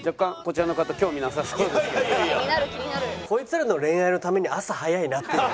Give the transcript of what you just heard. こいつらの恋愛のために朝早いなっていう。